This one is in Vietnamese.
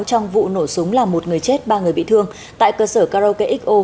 trong vụ nổ súng làm một người chết ba người bị thương tại cơ sở karaoke xo